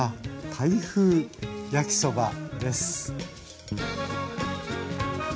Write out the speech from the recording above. タイ風焼きそばです。